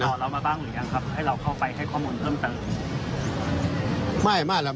ทำมากันครับให้บังกันครับให้เราข้อมูลเพิ่มเติม